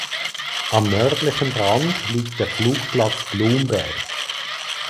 Am nördlichen Rand liegt der Flugplatz Blumberg.